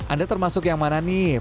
anda termasuk yang mana nih